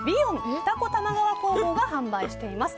二子玉川工房が販売しています。